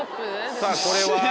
さぁこれは？